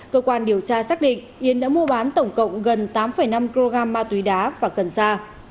cơ quan điều tra xác định yến đã mua bán tổng cộng gần tám năm kg ma túy đá và cần sa